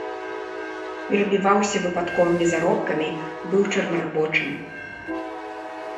Перабіваўся выпадковымі заробкамі, быў чорнарабочым.